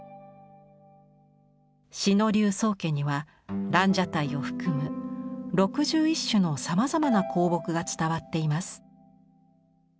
志野流宗家には蘭奢待を含む６１種のさまざまな香木が伝わっています。